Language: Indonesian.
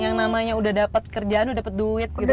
yang namanya udah dapet kerjaan udah dapet duit gitu ya mbak